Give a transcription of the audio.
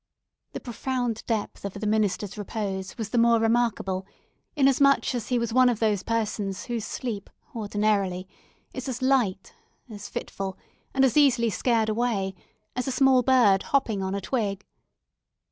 The profound depth of the minister's repose was the more remarkable, inasmuch as he was one of those persons whose sleep ordinarily is as light as fitful, and as easily scared away, as a small bird hopping on a twig.